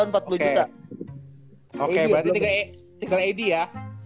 oke berarti tinggal ad ya